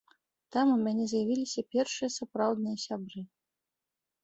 Там у мяне з'явіліся першыя сапраўдныя сябры.